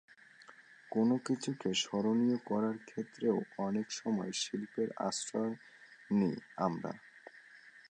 কোনো কিছুকে স্মরণীয় করার ক্ষেত্রেও অনেক সময় শিল্পের আশ্রয় নিই আমরা।